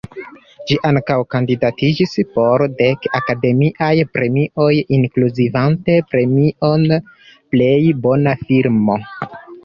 Ĝi ankaŭ kandidatiĝis por dek Akademiaj Premioj inkluzivante premion Plej Bona Filmo.